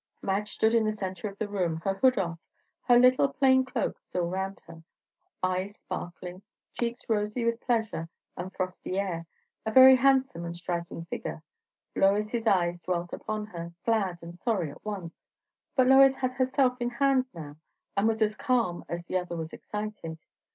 Madge stood in the centre of the room, her hood off, her little plain cloak still round her; eyes sparkling, cheeks rosy with pleasure and frosty air, a very handsome and striking figure. Lois's eyes dwelt upon her, glad and sorry at once; but Lois had herself in hand now, and was as calm as the other was excited.